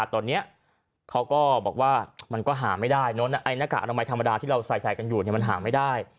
ตอนนี้เขาก็บอกว่ามันก็หาไม่ได้เนอะหน้ากากอนามัยธรรมดาที่เราใส่กันอยู่มันหาไม่ได้